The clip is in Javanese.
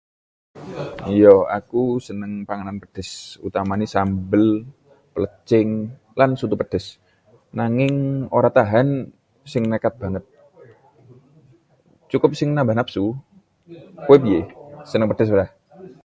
Ya, aku seneng panganan pedhes, utamane sambal, plecing, lan soto pedhes. Nanging ora tahan sing nekat banget, cukup sing nambah napsu. Kowe piye, seneng pedhes ora?